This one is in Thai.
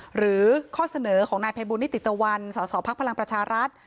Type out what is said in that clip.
หรือข้อเสนอของนายภัยบุญนิติตะวันสสพลังประชารัฐ